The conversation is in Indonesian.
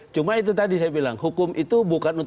cuma itu tadi saya bilang hukum itu bukan untuk